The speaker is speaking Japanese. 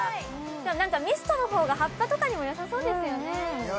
なんかミストの方が葉っぱとかにも良さそうですよね。